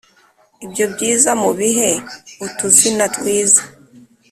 ibyo byiza mubihe utuzina twiza